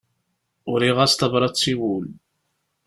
Uriɣ-as tabrat i wul.